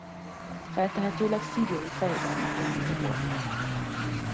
Feltehetőleg szíriai fejedelmek lányai voltak.